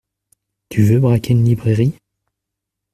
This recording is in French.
Tu veux braquer une librairie ?